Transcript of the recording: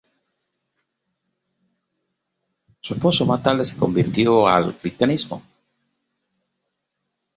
Su esposo, más tarde, se convirtió al Cristianismo.